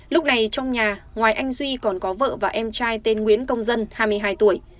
lúc này trong nhà ngoài anh duy còn có vợ và em trai tên nguyễn công dân hai mươi hai tuổi